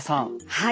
はい。